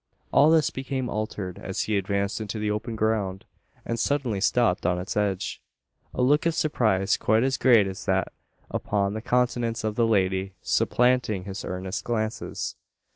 All this became altered, as he advanced into the open ground, and suddenly stopped on its edge; a look of surprise quite as great as that upon the countenance of the lady, supplanting his earnest glances.